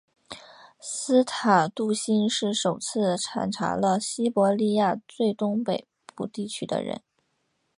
斯塔杜欣是首次探查了西伯利亚最东北部地区的人。